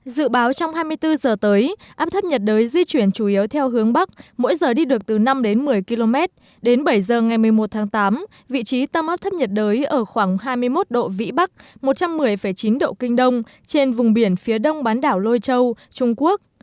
dự báo trong hai mươi bốn giờ tới áp thấp nhiệt đới di chuyển chủ yếu theo hướng bắc mỗi giờ đi được từ năm đến một mươi km đến bảy giờ ngày một mươi một tháng tám vị trí tâm áp thấp nhiệt đới ở khoảng hai mươi một độ vĩ bắc một trăm một mươi chín độ kinh đông trên vùng biển phía đông bán đảo lôi châu trung quốc